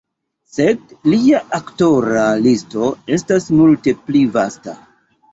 Sed lia aktora listo estas multe pli vasta.